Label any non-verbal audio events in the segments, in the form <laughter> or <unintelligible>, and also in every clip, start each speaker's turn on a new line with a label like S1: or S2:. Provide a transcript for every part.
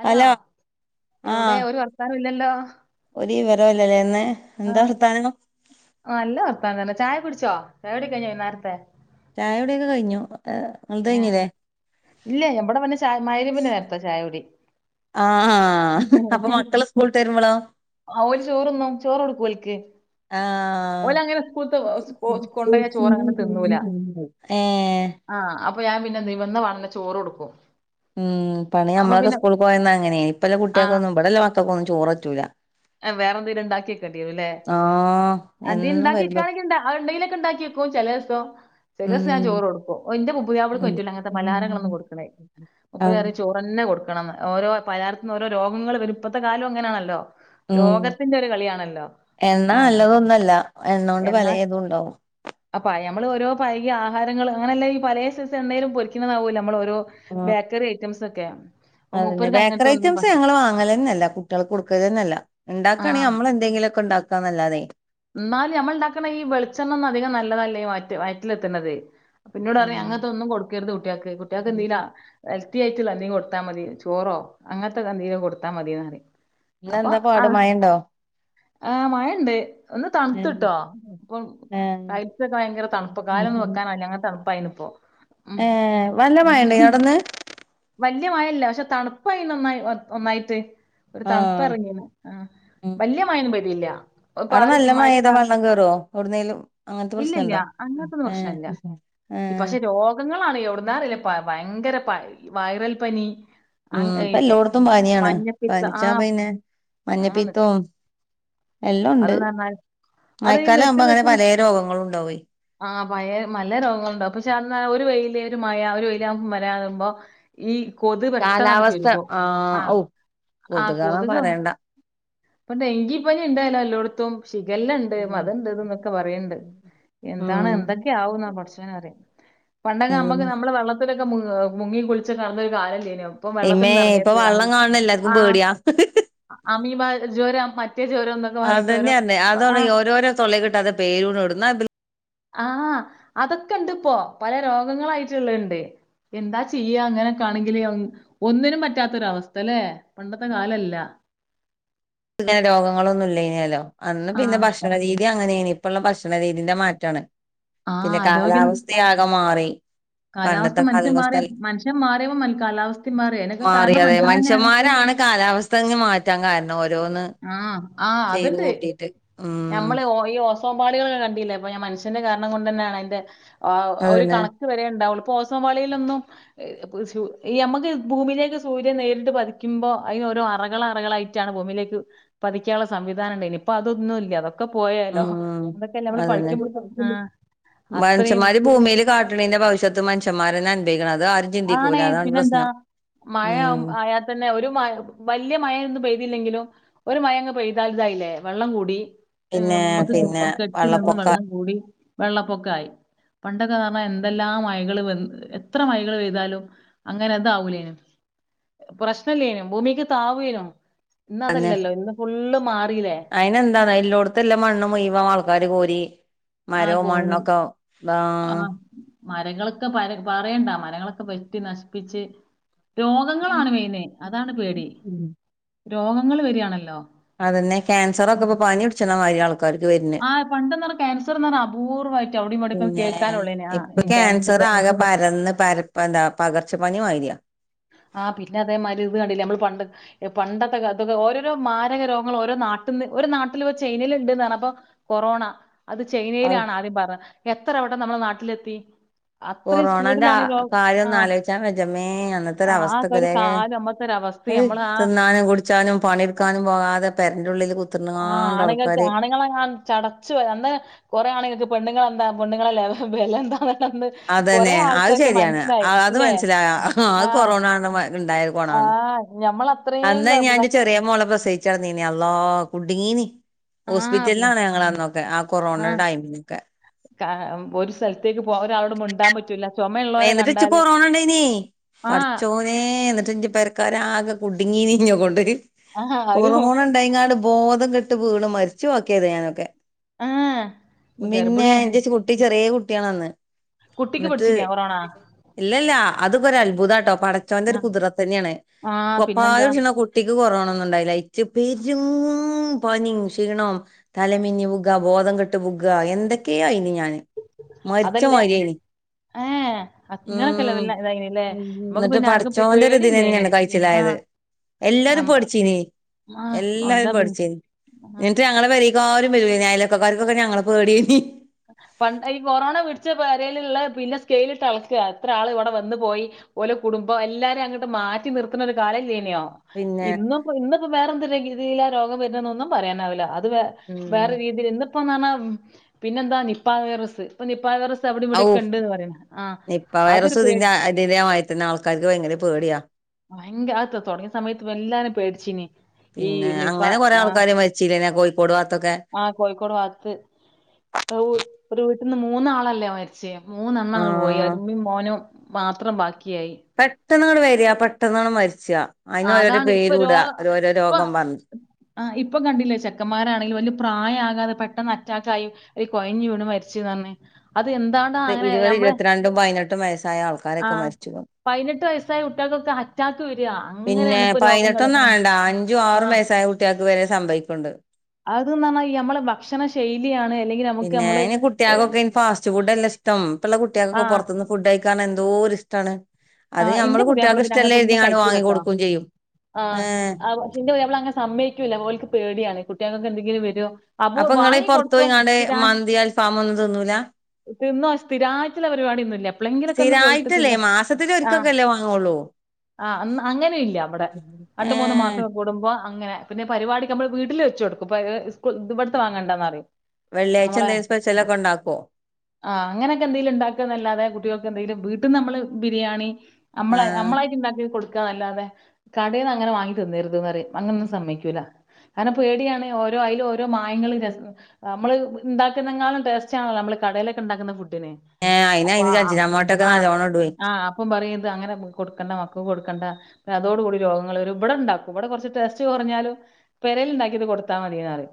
S1: Hello എവിടെ ഒരു വർത്താനം ഇല്ലലോ
S2: ഒര് വിവരല്ലല്ലേ ഇന്ന് എന്താ വർത്താനം?
S1: നല്ല വർത്താനം തന്നെ ചായ കുടിച്ചോ? ചായകുടി കഴിഞ്ഞോ വൈന്നേരത്തെ?
S2: ചായ കുടിയൊക്കെ കഴിഞ്ഞു. നിങ്ങൾത്
S1: ഏഹ്.
S2: കഴിഞ്ഞില്ലേ
S1: ഇല്ലെ ഇവടെ പിന്നെ ചായ മഹ്രിബിന് നേര്താ ചായകുടി.
S2: ആഹ് ആഹ് അപ്പൊ മക്കള് സ്കൂൾ വിട്ട് വരുമ്പൊളോ.
S1: ആഹ് ഓല് ചോറൊന്നും ചോറ് കൊടുക്കും ഓൽക്ക്.
S2: ആഹ്
S1: ഓലങ്ങനെ സ്കൂൾതെ കൊ കൊണ്ടോയ ചോറ് അങ്ങനെ തിന്നൂല.
S2: ഏഹ്
S1: ആഹ് അപ്പൊ ഞാൻ പിന്നെ എന്ത് ചെയ്യും വന്ന് വാണന്ന് ചോറ് കൊടുക്കും.
S2: ഉം പണ്ട്
S1: അപ്പൊ
S2: ഞമ്മളൊക്കെ
S1: പിന്നെ
S2: സ്കൂൾ പോയന്ന് അങ്ങനെയിനി ഇപ്പല്ല
S1: ആ
S2: കുട്ടികൊന്നും ഇബടെല്ല മക്കകൊന്നും ചോററ്റൂല്ല.
S1: ഏഹ് വേറെന്തെലും ഇണ്ടാക്കി ക്കെണ്ടിവരും ലേ.
S2: ആഹ്
S1: ആദ്യേ
S2: എന്നും വരുമ്പോ
S1: ഇണ്ടാക്ക്യക്കാണെങ്കിൽ ഇണ്ട അത് ഉണ്ടെങ്കിലൊക്കെ ഉണ്ടാക്കി വെക്കും ചെലെ ദിവസം ചെലേസം
S2: ഉം
S1: ഞാൻ ചോറ് കൊടുകും. എന്റെ പുതിയാപ്പളക്
S2: ഉം
S1: പറ്റൂല അങ്ങനതെ പലഹാരങ്ങളൊന്നും കൊടുക്കണെ.
S2: ആ,
S1: മൂപ്പരറിം ചോ തന്നെ കൊടുക്കണംന്ന് ഓരോ പലാരത്തി നിന്ന് ഓരോ രോഗങ്ങൾ വരും ഇപ്പത്തെ കാലം അങ്ങനാണല്ലോ.
S2: ഉം
S1: രോഗത്തിന്റെ ഒരു കളിയാണല്ലോ.
S2: എണ്ണ
S1: ആഹ്
S2: നല്ലതൊന്നല്ല എണ്ണോണ്ട്
S1: എണ്ണ
S2: പലേതും ഉണ്ടാവും.
S1: അപ്പ യമ്മൾ ഓരോ പഴകിയ ആഹാരങ്ങൾ അങ്ങനെല്ല ഈ പലേസെസ് എണ്ണേലും പൊരിക്കുന്നതാവോലോ നമ്മൾ ഓരോ
S2: ഉം
S1: ബേക്കറി ഐറ്റംസ് ഒക്കെ.
S2: അതന്നെ ബേക്കറി ഐറ്റംസ് ഞങ്ങൾ വാങ്ങലന്നേ ഇല്ല കുട്ടികൾക്ക് കൊടുക്കലന്നല്ല. ഇണ്ടാക്കാണെങ്കിൽ
S1: ആഹ്
S2: അമ്മള് എന്തെങ്കിലൊക്കെ ഉണ്ടാക്കാ എന്നല്ലാതെ.
S1: ഇന്നാലും ഞമ്മൾ ഇണ്ടാക്ണ ഈ വെളിച്ചെണ്ണ ഒന്നും അധികം നല്ലതല്ല ഈ ഇവയ്റ്റ് വയറ്റിലെത്തണത്. പിന്നോടർഞ് അങ്ങൻത്തൊന്നും കൊട്ക്കര്ത് കുട്ട്യേൾക്ക് കുട്ട്യേക്ക് എന്തേലാ ഹെൽത്തി ആയിട്ടുള്ള എന്തീം കൊടുത്താ മതി ചോറോ അങ്ങൻത്തെതെന്തേലും കൊടുത്താൽ മതിന്ന് പറിം അപ്പൊ
S2: ഇന്നെന്താ പാട്
S1: ആഹ്
S2: മഴണ്ടോ
S1: ആഹ് മഴണ്ട് ഒന്ന്
S2: ഏഹ്
S1: തൺത്ത്ട്ടോ അപ്പം ടൈൽസൊക്കെ ഭയങ്കര തണുപ്പ് കാലൊന്നും വെക്കാനാവില്ല അങ്ങൻ തണുപ്പായിനി ഇപ്പോ
S2: ഏഹ് വല്ല മഴ ഉണ്ടായിനോ അവിടെന്ന്?
S1: വല്ല്യ മഴല്ല പക്ഷെ തണുപ്പായി നന്നായി നന്നായിട്ട് ഒരു തണുപ്പ
S2: ആഹ്
S1: ഇറങ്ങിണ്. ആഹ്
S2: ഉം
S1: വല്ല്യ മഴന്നും പെയ്തില്ല.
S2: അവിടെ
S1: പാറി
S2: നല്ല മഴെയ്താ
S1: മഴപ്പാ
S2: വെള്ളം കേറുവോ എവിടുന്നേലും അങ്ങനത്തെ
S1: ഇല്ലല്ല
S2: പ്രശ്നണ്ടോ
S1: അങ്ങത്തൊന്നും
S2: ഏഹ്
S1: പ്രശ്നം ഇല്ല ഇ
S2: ഏഹ്
S1: പക്ഷെ രോഗങ്ങളാണ് എവിടുന്നാ അറീല പ വയങ്കര വൈറൽ പനി
S2: ഉം
S1: അങ് ഏഹ്
S2: ഇപ്പല്ലോട്ത്തും പനിയാണ്.
S1: മഞ്ഞപ്പിത്ത
S2: പൻച്ചാ
S1: ആഹ്
S2: പയ്നെ
S1: ആന്ന്
S2: മഞ്ഞപ്പീത്തും
S1: അത്
S2: എല്ലുണ്ട്
S1: ന്ന് പറഞ്ഞാൽ അത് ഈ
S2: മഴക്കാല ആവുമ്പോ
S1: നിർത്തി
S2: അങ്ങനെ
S1: നിർത്തി
S2: പലേ രോഗങ്ങളും ഉണ്ടാവെയ്
S1: ആഹ് പയെ മല്ല രോഗങ്ങളുണ്ടാവും പക്ഷെ അന്ന ഒരു വെയില് ഒരു മഴ ഒരു വെയില് ആകുമ്പം വരാറുമ്പോ ഈ കൊതു പെട്ടെന്നങ്ങ്
S2: കാലാവസ്ഥ
S1: പെരുകും. ആഹ്
S2: ഔ
S1: ആഹ്
S2: കൊതുകളെ
S1: കൊതുക്
S2: പറയണ്ട
S1: ഇപ്പം ഡെങ്കി പനി ഇണ്ടേലോ എല്ലോട്ത്തും ഷിഗല്ലണ്ട് മതണ്ട് ഇത് ന്നൊക്കെ പറിണ്ട് എന്താണ്
S2: ഉം
S1: എന്തൊക്കെ ക്കാവുന്ന പടച്ചോനറിം. പണ്ടക്ക് നമ്മക്ക്
S2: അതന്നെ
S1: നമ്മള് വെള്ള <unintelligible> മുങ്ങി കുൾച്ച് നടന്ന ഒരു കാലം ഇല്ലേന്യോ ഇപ്പൊ
S2: ഇമ്മേ
S1: വെള്ളത്തിന്ന്
S2: ഇപ്പൊ
S1: എർങ്ങര്ത് അമീ.
S2: വള്ളം കാണണ എല്ലാർക്കും
S1: ആഹ്
S2: പേടിയാ
S1: അമീബ ജ്വരം മറ്റേ ജ്വരം എന്നൊക്കെ പർഞ്ഞിട്ട്
S2: അതന്നെ
S1: ഒരോ.
S2: പറഞ്ഞെ അതാണ്
S1: ആഹ്
S2: ഓരോരോ തൊള്ളേ കിട്ടാത്ത പേരൂണ് ഇടും ന്നാ ഇബൽക്ക്
S1: ആഹ് അതൊക്കെ ഇണ്ട്പ്പോ പലേ രോഗങ്ങളായിട്ട്ള്ളെണ്ട്. എന്താ ചെയ്യ ഇങ്ങനെക്കെ ആണെങ്കില് അം ഒന്നിനും പറ്റാത്തൊരു അവസ്ഥ ലേ പണ്ടത്തെ കാലല്ല.
S2: ഇങ്ങനെ രോഗങ്ങളൊന്നും ഇല്ലേന്യല്ലോ. അന്ന് പിന്നെ
S1: ആഹ്
S2: ഭക്ഷ ഭക്ഷണ രീതി അങ്ങനേനി ഇപ്പള്ള ഭക്ഷണ രീതിന്റെ മാറ്റാണ്.
S1: ആഹ്
S2: പിന്നെ
S1: ആരോഗ്യം
S2: കാലാവസ്ഥ ആകെ മാറി പണ്ടത്തെ
S1: കാലാവസ്ഥ മനുഷ്യൻ മാറി
S2: കാലാവസ്ഥ
S1: മനുഷ്യൻ മാറിയപ്പം മതി കാലാവസ്ഥയും മാറി അതിനൊക്കെ കാരണം മനുഷ്യൻ തന്നെയാണ്
S2: കാലാവസ്ഥങ്ങ് മാറ്റാൻ കാരണം ഓരോന്ന്
S1: ആഹ് ആഹ്
S2: ചെയ്ത്
S1: അത്ണ്ട്.
S2: കൂട്ടിയിട്ട് ഉം
S1: ഞമ്മള് ഈ കോമ്മാളികള് കണ്ടില്ലേ അപ്പ ഞാൻ മനുഷ്യന്റെ കാരണം കൊണ്ട് തന്നെയാണ് അയ്ന്റെ ഒരു
S2: അതന്നെ
S1: കണക് ക്ക്‌വരെ ഉണ്ടാവൂള്ളു പ്പോ ഓസോപാളിയിലൊന്നും ഈ ചു ഈ അമ്മക്ക് ഭൂമിയിലേക്ക് സൂര്യൻ നേരിട്ട് പതിക്കുമ്പോ അയ്ന് ഓരോ അറകൾ അറകളായി റ്റാണ് ഭൂമിലേക്ക് പതിക്കാനുള്ള സംവിധാനം ണ്ടായിനി ഇപ്പൊ അതൊന്നും ഇല്ല ക്കെ പോയേലോ
S2: ഉം
S1: അതൊക്കെയല്ല നമ്മള്
S2: അതന്നെ
S1: പഠിക്കുമ്പ ആഹ്
S2: മനുഷ്യന്മാര് ഭൂമിയിൽ കാട്ടിണീന്റെ ഭവിഷത്ത് മനുഷ്യന്മാരെന്നെ അനുഭവിക്കണം അത് ആര്
S1: ആണെ പിന്നെന്താ
S2: ഉം
S1: മയാവു ആയാ തന്നെ ഒരു മ വല്യ മഴൊന്നും പെയ്തിയില്ലെങ്കിലും ഒരു മഴങ്ങ് പെയ്താൽ ഇതായില്ലേ വെള്ളം കൂടി എഹ്
S2: പിന്നെ
S1: മ്മക്ക്
S2: പിന്നെ
S1: കെട്ടി നിന്ന്
S2: വെള്ളപ്പൊക്കം
S1: വെള്ളം കൂടി വെള്ളപ്പൊക്ക ആയി പണ്ടൊക്കെന്ന് പറഞ്ഞാ എന്തെല്ലാം മഴകൾ വന് എത്ര മഴകൾ വ താലും അങ്ങനെ അതാവൂലേഞ് പ്രശ്നല്ലേനും ഭൂമിക്ക് താവൂനോ ഇന്ന് അതല്ലല്ലോ ഇന്ന് ഫുള്ള് മാറില്ലേ
S2: അയിന്ന്താണ് എല്ലോടത്ത്ല്ലാം മണ്ണ് മുഴവാ ആൾക്കാര് കോരി മരവും മണ്ണൊക്കെ ആ
S1: ആഹ് മരങ്ങളൊക്കെ പര് പറയണ്ട മരങ്ങളൊക്കെ വെട്ടി നശിപ്പിച്ച് രോഗങ്ങളാണ് മെയിന് അതാണ് പേടി രോഗങ്ങൾ വരിയാണല്ലോ
S2: അതെന്നെ ക്യാൻസറൊക്കെ ഇപ്പൊ പനി പിടിച്ണമാരിയാണ് കണ്ടു വര്ന്
S1: ആഹ് പണ്ടെന്ന് പറഞ്ഞ ക്യാസർ എന്ന് പറഞ്ഞ അപൂർവായിട്ട് അവിടെയുംവിടെക്ക
S2: പിന്നെ
S1: കേൾക്കാനുള്ളേനെ
S2: ഇപ്പൊ
S1: ആഹ് ക്യാൻസർ
S2: ആകെ പരന്ന് പരപ്പ എന്താ പകർച്ച പനി മാതിരിയ
S1: ആഹ് പിന്നെ അതേമാതിരി ഇത് കണ്ടില്ല നമ്മൾ പണ്ട് എഹ് പണ്ടത്തെ കാലത്തൊക്കെ ഓരോരോ മാരക രോഗങ്ങൾ ഓരോ നാട്ടിന്ന് ഒരു നാട്ടില് ഒരു ചൈനേല് ണ്ട്ന്നർഞപ്പൊ കൊറോണ അത് ചൈനയിലാണ് ആദ്യം പറഞ്ഞെ എത്ര പെട്ടെന്ന് നമ്മളെ നാട്ടിലെത്തി അത്രീ സ്പീഡിലാണ് ലോ ആ
S2: ചാൻ വെജ്ജ മേ അന്ന
S1: ആ ആ ഒരു
S2: എന്തൊരവസ്ഥക്കല്ലേ
S1: കാലം അമ്മത്തെ ഒരു അവസ്ഥ
S2: ഏഹ്
S1: നമ്മൾ ആ
S2: തിന്നാനും കുടിച്ചാനും പണിട്ക്കാനും പോകാതെ പെരന്റുള്ളില് കു
S1: ആഹ് ആണ്ങ്ങക്ക് ആണ്ങ്ങളെങ്ങാനും ചടച്ചു അന്ന് കുറെ ആണ്ങ്ങക്ക് പെണ്ണ്ങ്ങളെന്താ പണ്ണങ്ങളെലെ വെലഎന്താ
S2: അതന്നെ അഹ് ശരിയാണ് ആഹ് അത്
S1: ഇല്ലേ
S2: മനസ്സിലായ അഹ് അഹ് കൊറോണന്നപോ ത്ണ്ടായേ
S1: ആ
S2: കൊണാണ്
S1: ഞമ്മളത്രയും
S2: അന്ന്
S1: ക
S2: ഞാനിന്റെ
S1: കഷ്
S2: ചെറിയേ മോളെ പ്രസവിച്ചടനീനെ അള്ളാ കുടുങ്ങീന്
S1: ആ പി
S2: ഹോസ്പിറ്റലിലാണ് ഞങ്ങളന്നൊക്കെ ആഹ് കൊറോണടെ ടൈമിനൊക്കെ.
S1: കാ ഒരു സ്ഥലത്തേക്ക് പോക ഒരാളോട് മുണ്ടാ പറ്റൂല്ല
S2: മ്മേ ഇന്ന്ട്ട്ച്ച് കൊറോണണ്ടനേ
S1: ആ
S2: പടച്ചോ നേ ഇന്ന്ട്ട് ഇഞ്ച പെരക്കരാകെ കുടുങ്ങീന് ഇന്നെകൊണ്ട്
S1: ആ ഒരു
S2: കൊറോണ ണ്ടയിങ്ങാട് ബോധംകെട്ട് വീണ് മരിച്ച് വാക്യായതേന്നു ഞാനൊക്കെ
S1: ആ
S2: മിന്നെ
S1: ഗർഭിണിയായ
S2: എന്റെച് കു ട്ടി ചെറിയേ കുട്ട്യാണന്ന്.
S1: കുട്ടിക്ക് പഠിച്ചീനോ കോറോ
S2: ഇല്ലല്ല അതൊക്കൊരഅത്ഭുതാട്ടോ പടച്ചോന്റെ ഒരു കുത്‌റത്തനേണ്
S1: ആഹ് പിന്നെന്താ
S2: ട്ടിക്ക് കൊറോണന്നുംണ്ടായില ഇച്ച്പെരും പനിം ക്ഷീണോം തലമിന്നിവുക ബോതംകെട്ട് വുകാ എന്തൊക്കെആയിന്നു ഞാന്
S1: അതല്ലേ
S2: മരിച്ചമാര്യേനു.
S1: ഏ അങ്ങനൊക്കെല്ല വല്ല ഇതായിനില്ലേ
S2: ഉം
S1: നമ്മക്ക്
S2: ന്ന്ട്ട്
S1: പിന്നെ ആർക്കും പ്
S2: പടച്ചോന്റെ ഒരു
S1: പേടില്ലേനു
S2: ഇതിനെന്നേണ്
S1: ആ
S2: കഴിച്ചിലായത് എല്ലാരും
S1: ഞമ്മ
S2: പേടിച്ചിനി
S1: ആ
S2: എല്ലാരും
S1: എന്താ പിൻ
S2: പേടിച്ചിന്
S1: ആ
S2: എന്നിട്ട് ഞങ്ങളെ പെരേ ക്കാരും വരുലായിന്നു അയലൊക്ക ക്കാർക്കൊക്കെ ഞങ്ങളെ പേടേനി.
S1: പണ്ടൈ കൊറോണ പിടിച്ച പെരേലിള്ള പിന്നെ സ്കെയിലിട്ടളക്കാ എത്ര ആള് ഇവ്ടെ വന്നു പോയി ഓലോ കുടുംബോ എല്ലാരെ അങ്ങ്ട്ട് മാറ്റി നിർത്ത്ണ ഒരു കാല ഇലൈനോ.
S2: പിന്നെ
S1: ഇന്ന്പ്പോ ഇന്ന് ഇപ്പോ വേറെന്ത് രീയ രോഗം വരുന്നൊന്നും പറയാനാവില്ല അത് വേ
S2: ഉം
S1: വേറെ രീതില് ഇന്ന്പ്പോനറഞ്ഞാ പിന്നെ എന്താ നിപ്പാ വൈറസ്സ് പം നിപ്പാ വൈറസ് അവടീം ഇവടീ
S2: ഔ
S1: ഒക്കെ ഉണ്ട്ന്ന്പറയും ആഹ് അതൊരു പേ
S2: പിന്നെ ആൾക്കാര്ക്ക് ഭയങ്കര പേട്യാ
S1: ഭയങ്കര ആത് തൊടങ്ങിയ സമയത്ത് വല്ലാതെ പേടിച്ചിനി ഈ നിപ്പാ ആഹ്
S2: ച്ചീലെന കോഴിക്കോട് ഭാഗത്തൊക്കെ
S1: ആ കോഴിക്കോട് ഭാത്ത് ഒരു വീട്ട്ന്ന് മൂന്നാളല്ലേ മരിച്ച് ച്ചെ മൂന്നെണംങ്ങ് പോയി
S2: ആഹ്
S1: ഇമ്മീം മോനും മാത്രം ബാകിയയി
S2: പെട്ടന്ന്ങ്ങ്ട്ട് വെരാ പെട്ടെന്നാണ് മരിച്ചാ അയിനൊരോരോ
S1: അതാണ് ഇപ്പൊ രോ
S2: പേരൂടാ ഓരോ
S1: ഇപ്പൊ
S2: രോഗം പറഞ്ഞ്
S1: ആ ഇപ്പൊ കണ്ടില്ലേ ചെക്കന്മാരാണെങ്കി വലിയ പ്രായാകാതെ പെട്ടെന്ന് അറ്റാക്കായി കൊഴഞ്ഞ് വിണ് മരിച്ച് ന് പറഞ്ഞ് അത് എന്താണ്
S2: ഇത് ഇരുപത് ഇരുപത്തിരണ്ടും പൈനെട്ടും വയസ്സായ ആൾക്കാരൊക്കെ മരിച്ചു.
S1: പയ്നെട്ട് വയസ്സായ കുട്ട്യാൾക്കൊക്കെ അറ്റാക്ക് വരാ
S2: പിന്നെ പയ്നെട്ടൊനും ആവണ്ട അഞ്ചും
S1: ആ
S2: ആറും വയസ്സായ കുട്ട്യാക്ക് വരെ സംഭവിക്ണ്ട്
S1: അത് പറഞ്ഞാ ഈ നമ്മളെ ഭക്ഷണ ശൈലിയാണ് ഇല്ലെങ്കി നമുക്ക് നമ്മള്
S2: കുട്ട്യാക്കൊക്കെ ഈ ഫാസ്റ്റ് ഫുഡല്ലെ ഇഷ്ടം. ഇപ്പളെ
S1: ആ
S2: കുട്ട്യാക്കൊക്കെ പൊറത്തുന്ന് ഫുഡ് കഴിക്കാൻ എന്തോരിഷ്ടാണ്.
S1: ആ
S2: അത്
S1: ഇന്റെ
S2: ഞമ്മള്
S1: പുതിയാപ്പള
S2: കുട്ട്യാൾക്ക്
S1: പിന്നെ അങ്ങനത്തെ
S2: ഇഷ്ടലേരിതീ
S1: ഒന്നും
S2: ങ്ങാണ്ട് വാങ്ങി
S1: കഴിക്കൂലട്ടോ
S2: കൊടുക്കും ചെയ്യും
S1: ആ ആ പക്ഷെ ഇന്റെ പുതിയാപ്പളസമ്മയ്ക്കൂല്ല ഓൽക്ക് പേടിയാണ് കുട്ട്യാൾക്കൊക്കെ എന്തെങ്കിലും വരോ
S2: അപ്പൊ ഇങ്ങള് പൊറത്ത് പോയിങ്ങാട് മന്തി അൽഫാമൊന്നും തിന്നൂല.
S1: തിന്നോ സ്ഥിരായിറ്റ്ള്ള പരിപാട്യോന്നുല്ല എപളങ്കിലൊക്കൊന്ന് പോയിട്ട്
S2: മാസത്തിലൊരിക്കല്ലേ വാങ്ങോള്ളൂ
S1: ആ അന്ന അങ്ങനീല്ലഇവടെ രണ്ടും മൂന്നും
S2: ഏഹ്
S1: മാസം കൂടുമ്പോ അങ്ങനെ പിന്നെ പരിവാടിക്ക് നമ്മൾ വീട്ടിൽ വെച്ച് കൊടുക്കും പരി സ്ക്കൂ ഇവ്ടത്തെ വാങ്ങണ്ട എന്ന് പറയും
S2: വെള്ളിഴ്ച്ച എന്തെങ്കിലും സ്പെഷൽലൊക്കെ ഇണ്ടാക്കോ
S1: ആ അങ്ങനെക്കെ എന്തെലും ഇണ്ടാക്കന്നല്ലാതെ കുട്ടികൾക്ക് എന്തെങ്കിലും വീട്ടിന്നമ്മള് ബിരിയാണി നമ്മള
S2: ആഹ്
S1: നമ്മളായിട്ട്ണ്ടാക്കി കൊടു ക്ക അല്ലാതെ കടയിന്ന് അങ്ങനെ വാങ്ങിതിന്നരുത് നാറി അങ്ങനൊന്നും സമ്മയ്ക്കൂല്ല കാരണം പേടിയാണ് ഓരോ അയില് ഓരോ മായങ്ങളുംരസ നമ്മള് ഉണ്ടാക്കുന്നങ്ങാലും ടേസ്റ്റ് ആണല്ലോ നമ്മള് കടയിലൊക്കെണ്ടാക്കുന്ന ഫുഡിനെ
S2: ഏഹ് അയിന്
S1: അപ്പൊ ആ
S2: അയിന് അജിനാമോട്ടൊക്കെ
S1: ആഹ
S2: നല്ലോണം ഇടുവേ
S1: അപ്പം പറയത് അങ്ങനെ കൊടുക്കണ്ട മക്കക്ക് കൊടുക്കണ്ട അതോട കൂടി രോഗങ്ങൾ വരും ഇവിടെ ണ്ടാക്കും ഇവടെ കൊറച്ച് ടെസ്റ്റ് കൊറഞ്ഞാലും പെരേല്ണ്ടാകിത് കൊടുത്താ മതിയറിം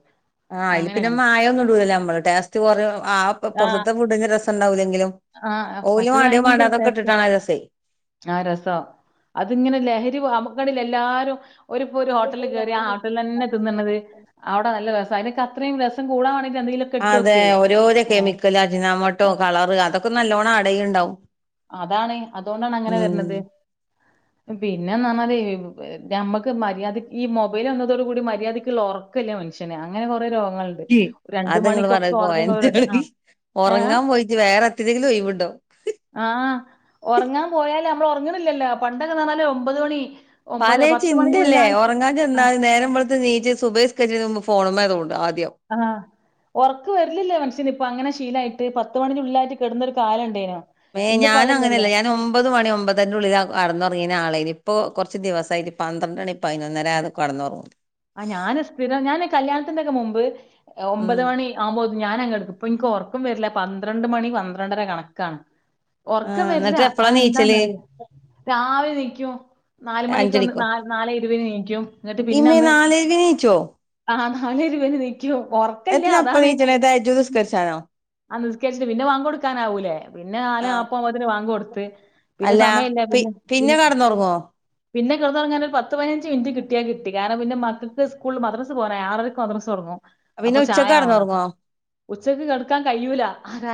S2: ആഹ അയില് പിന്നെ മായന്നും ഇടൂലല്ലേ നമ്മള് ടേസ്റ്റ് കുറ ആ
S1: ആഹ്
S2: പുറത്തത്തെ ഫുഡിന്റെ രസം ഉണ്ടാവൂല്ലെങ്കിലും
S1: ആഹ്
S2: ഓല്
S1: മറ്റേത്
S2: മണ്ടായതും
S1: ഭയങ്കര
S2: മാണ്ടതതും
S1: ടേസ്റ്റ്
S2: ഇട്ട്ണ് രസം
S1: ആ രസ അതിങ്ങനെ ലഹരി അമുക്ണ് ഇല്ലെ എല്ലാരും.. ഒരുപ്പോ ഒരു ഹോട്ടലി കേറി ആ ഹോട്ടലിൽന്നെ തിന്നണത് അവി നല്ല രസം അയിന് അത്രയും രസം കൂടാൻ വെണ്ടിറ്റ് എന്തങ്കിലും
S2: അതെ. ഓരോരോ കെമിക്കൽ അജിനമൊട്ടോ കളർ അതൊക്കെ നല്ലോണ്ണം ആ ടയിൻണ്ടാവും
S1: അതാണ് അതുണ്ടാണ് അങ്ങനെ വര്ണത് പിന്നെന്ന്റഞ്ഞാല് ഞമ്മക്ക് മര്യാദ ഈ മൊബൈൽ വന്നതോട കൂടി മര്യാദക്ക്ള്ള ഒ റക്ക് ഒറക് ഇല്ല മനുഷന് അങ്ങനെ കൊറേ രോഗങ്ങള്ണ്ട്
S2: അത്ങ്ങള് പറയന്നത്
S1: ആ
S2: പോയന്റായി
S1: ഏ
S2: ഒറങ്ങാൻ പോയിട്ട് വേറെ എത്തെ യങ്കിലും ഒഴിവുണ്ടോ
S1: ആഹ് ഒറങ്ങാൻ പോയല് നമ്മള് ഒറങ്ങണില്ലല്ലോ പണ്ടൊക്കറിഞ്ഞാല് ഒമ്പത് മണി ഒമ്പത്
S2: പലേ
S1: പത്ത്
S2: ചിന്തല്ലേ
S1: മണിനുള്ളിലായിട്ട്
S2: ഒറങ്ങാൻ
S1: ആ
S2: ചെന്നാൽ നേരം വെ... നീച്ച് സുബഹ്സ്കച്ചരിച്ച് മുമ്പ് ഫോണുമതൊണ്ടും ആദ്യം
S1: ആ ഒറക്ക് വരില്ലില്ല മനുഷ്യന് ഇപ്പോ അങ്ങനെ ശീലയിട്ട് പത്ത് മണി ന്റെ ള്ളിലായിട്ട് കെടന്നൊരു കാലംണ്ടേനു
S2: മേ ഞാനങ്ങനെയല്ല ഞാൻ ഒമ്പത് മണി ഒമ്പത് അതിൻ്റെ ഉള്ളിലാ കടന്നുറങ്ങിന ആളേനി ഇപ്പോ കൊറച്ച് ദിവസമായിട്ട് പന്ത്രണ്ട്ണി പതിനൊന്നര ആകാതെ കടന്നുറങ്ങും
S1: ആ ഞാൻ സ്ഥിരം ഞാന് കല്യാണത്തിന്റെക്കെ മുമ്പ്
S2: ഉം
S1: ഒമ്പത് മണി ആവ്പോത് ഞാനങ്ങെടുക്ക ഇപ്പൊ എനിക്ക് ഒറക്കും വരില്ല പന്ത്രണ്ട് മണി പന്ത്രണ്ടര കണക്കാണ്
S2: ആ
S1: ഒറക്കം വരില്ല
S2: എന്നിട്ട്
S1: ആ
S2: എപ്പളാ നീച്ചല്
S1: എന്താന്നറിയോ രാവിലെ നീക്കും നാലുമണിക്കൊന്ന്
S2: അഞ്ചണിക്കോ
S1: നല് നാല ഇരുപന് നീക്കും എന്നിട്ട്
S2: ഇമ്മേ
S1: പിന്നൊന്ന്
S2: നാലരക്ക് നീച്ചോ
S1: ആഹ് നാലേ ഇരുപെന് നീക്കും ഒർ
S2: എത്തിനാപ്പം നീച്ച്ണത് തഹജ്ജുദ് നിസ്കരിചാനോ
S1: ആ നിസ്കരിച്ചിട്ട് പിന്നെ ബാങ്ക് കൊടുക്കാനാവൂലേ പിന്നെ നാലേ
S2: ആ
S1: നാപ്പത് ആവുമ്പോത്തിന് ബാങ്ക് കൊടുത്ത് പിന്നെ
S2: അല്ല
S1: സമയല്ല
S2: പി
S1: പിന്നെ പിന്നെ
S2: കടന്നുറങ്ങോ
S1: പിന്നെ കെടന്നൊറങ്ങാൻ ഒരുപത്ത് പതിനഞ്ച് മിനിറ്റ് കിട്ടിയകിട്ടി കാരണം പിന്നെ മക്കക്ക് സ്കൂൾ മദ്രസ് പോകാനായി ആറരക്ക് മദ്രസ തൊടങ്ങും
S2: പിന്നെ
S1: അപ്പൊ
S2: ഉച്ചക്ക്
S1: ചായാവണം
S2: കടന്നുറങ്ങോ
S1: ഉച്ചക്ക് കെടക്കാൻ കഴിയൂല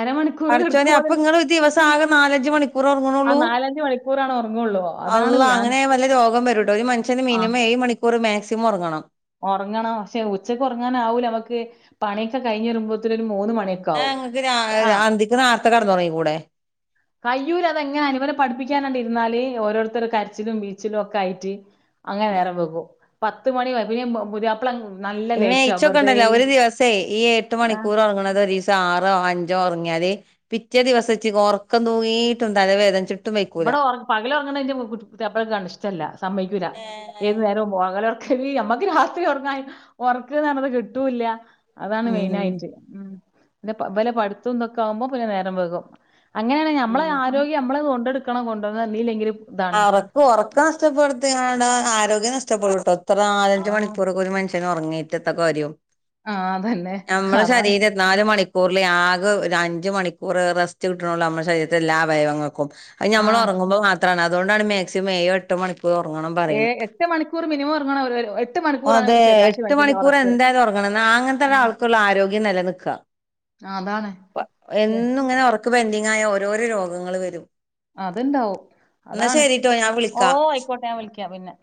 S1: അരമണി
S2: പടച്ചോനെ അപ്പൊ ഇങ്ങള് ദിവസം ആകെ നാലഞ്ച് മണിക്കൂർ
S1: ആ
S2: ഒറങ്ങണൊള്ളൂ
S1: നാലഞ്ച് മണിക്കൂറാണ് ഒറങ്ങുള്ളൂ.
S2: അള്ള
S1: അതാണ് ഞാൻ
S2: അങ്ങനായ വല്യ രോഗം വരൂട്ടോ ഒരു മനുഷ്യന്
S1: ആ
S2: മിനിമം ഏയ്‌ മണിക്കൂർ മാക്സിമം ഒറങ്ങണം
S1: ഒറങ്ങണം പക്ഷേ ഉച്ചക്ക് ഒറങ്ങാനാവൂലമക്ക് പണിയൊക്കെ കഴിഞ്ഞ രുമ്പോത്തിന് ഒരു മൂന്ന് മണിയൊക്കെ
S2: ന്നാ
S1: ആവും
S2: ഇങ്ങക്ക് രാ
S1: ആഹ്
S2: അന്തിക്ക് നാർത്ത കടന്നൊറങ്ങി കൂടെ
S1: കയ്യൂലാ അതെങ്ങെനായാലും ഇവരെ പഠിപ്പിക്കനണ്ടിരുന്നാല് ഓരോരുത്തരു കരച്ചിലും ബീച്ചിലും ഒക്കെ ആയിട്ട് അങ്ങനെ നേരം വൈകും പത്ത്മണി ചെൽപ്പങ്ങി പുതിയാപ്പള നല്ല
S2: ഇമ്മേ
S1: ലേറ്റാ വെറുതെ
S2: ഇച്ചോക്കെണ്ടല്ലോ ഒരു ദിവസേ ഈ എട്ട്
S1: ആ
S2: മണിക്കൂറോറങ്ങണത് ഒരീസം ആറോ അഞ്ചോ ഒറങ്ങിയാല് പിറ്റേ ദിവസം ഇച്ച് ഒറക്കം തൂങ്ങിയിട്ടു തലവേദനിച്ചു
S1: ഇബടെ ഒർങ്ങണത് പകലൊറങ്ങണതിന്റെ പുതിയാപ്പളക്ക് ഇഷ്ടല്ല സമ്മയ്‌ക്കൂല്ല ഏത് നേരവും പകലൊറക്ക ന്നെ ഞമ്മക്ക് രാത്രി ഒറങ്ങന് ഉറക്കന്ന്റഞത് കിട്ടൂല്ല അതാണ്
S2: ഉം
S1: മെയിനായിട്ട് ഉം പിന്നെ ബലെ പഠിത്തോം ന്തൊക്കെ ആവുമ്പോ പിന്നെ നേരം വൈകും അങ്ങനെയാണ് നമ്മളെ ആരോഗ്യം നമ്മള് കൊണ്ടെടുക്കണം കൊണ്ടോന്ന്ന്നിയില്ലെങ്കിലും
S2: ഒറക്ക് ഒറക്ക നഷ്ടപ്പെടുത്തിങ്ങാണ്ട് ആരോഗ്യം നഷ്ടപ്പെടുട്ടോ ഇത്ര നാലഞ്ചു
S1: ആഹ്
S2: മണിക്കൂറൊക്കൊ ഒരു മനുഷ്യ നൊറങ്ങീട്ടെത്ത കാര്യം
S1: ആഹ് അതന്നെ
S2: നമ്മളെ
S1: അതാണ്
S2: ശരീര നാല് മണിക്കൂറില് ആകെ ഒരു അഞ്ചമണിക്കൂർ റെസ്റ്റ് കിട്ടണൊള്ളൂ നമ്മുടെ ശരീരത്തെ എല്ലാ അവയവങ്ങൾക്കും അഹ് ഞമ്മള്
S1: ആഹ്
S2: ഒറങ്ങുമ്പോ മാത്രാണ് അതുകൊണ്ടാണ് മാക്സിമം ഏയ്എട്ട് മണിക്ക ക്കൂർ ഒറങ്ങണം
S1: ഏ
S2: പറീണത്
S1: എട്ട് മണിക്കൂർ മിനിമം ഒറങ്ങണം ഒരു ഒരു- എട്ട് മണിക്കൂറാണ്
S2: അതേ
S1: ഒരു ശരാശരി മനുഷ്യന്റെ
S2: എട്ട്മണിക്കൂർ
S1: ഒറക്ക്
S2: എന്തയാലും ഒർ
S1: ഉം
S2: അങ്ങനത്താൾക്കൊള്ളൂ ആരോഗ്യം നെലനിക്ക
S1: അതാണ് ശെ
S2: എന്നുങ്ങനെ ഒറക്ക് ക്ക് പെൻ്റിങ്ങായ ഓരോരോ രോഗങ്ങള് വരും
S1: അത്ണ്ടാവും
S2: എന്നാ
S1: അതാണ്
S2: ശരിട്ടോ ഞാൻ വിളിക്കാം
S1: ഓഹ് ആയിക്കോട്ടെ ഞാൻ വിളിക്ക പിന്നെ